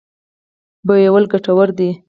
بویول ګټور دی.